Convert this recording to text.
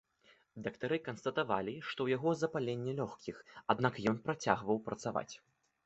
Дактары канстатавалі, што ў яго запаленне лёгкіх, аднак ён працягваў працаваць.